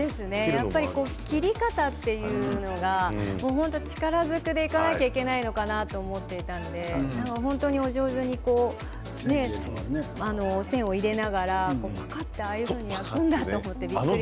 やっぱり切り方というのが力ずくでいかなきゃいけないのかなと思っていたので本当にお上手で線を入れながら、ぱかっとああやって開くんだと思ってびっくりしました。